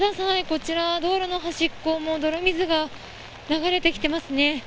こちら道路の端っこ泥水が流れてきていますね。